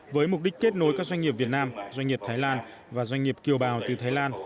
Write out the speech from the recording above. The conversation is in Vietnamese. với mục đích kết nối các doanh nghiệp việt nam doanh nghiệp thái lan và doanh nghiệp kiều bào từ thái lan